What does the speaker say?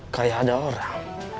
kayak ada orang